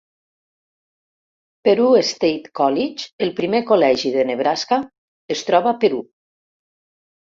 Peru State College, el primer col·legi de Nebraska, es troba a Peru.